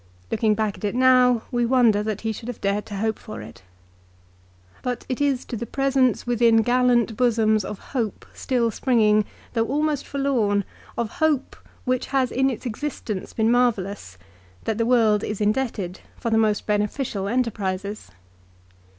Looking back at it now we wonder that he should have dared to hope for it. But it is to the presence within gallant bosoms of hope still springing, though almost forlorn, of hope which has in its existence been marvellous, that the world is indebted for the most beneficial enterprises.